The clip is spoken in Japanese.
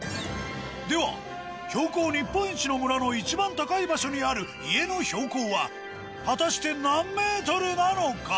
では標高日本一の村の一番高い場所にある家の標高は果たして何ｍなのか？